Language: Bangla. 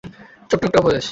ছোট্ট একটা উপদেশ।